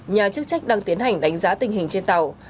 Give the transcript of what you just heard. nhà chức trách đang tiến hành đánh giá tình hình trên tàu